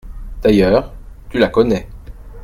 D’ailleurs, tu la connais.